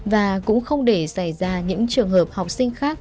và cũng không để xảy ra những trường hợp học sinh khác